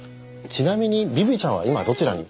ちなみにビビちゃんは今どちらに？